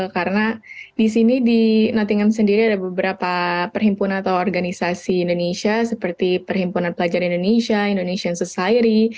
karena di sini di nottingham sendiri ada beberapa perhimpunan atau organisasi indonesia seperti perhimpunan pelajar indonesia indonesian society